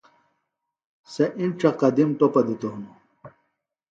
سےۡ اِنڇہ قدِم ٹوپہ دِتوۡ ہِنوۡ